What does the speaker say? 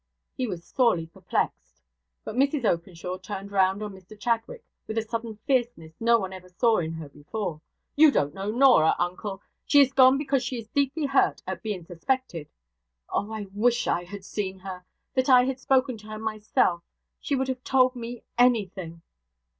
He was sorely perplexed. But Mrs Openshaw turned round on Mr Chadwick, with a sudden fierceness no one ever saw in her before. 'You don't know Norah, uncle! She is gone because she is deeply hurt at being suspected. Oh, I wish I had seen her that I had spoken to her myself. She would have told me anything.'